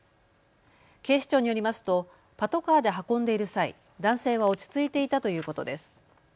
警視庁によりますとパトカーで運んでいる際、男性は落ち着いていたということです。